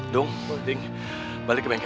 dong deng balik ke bengkel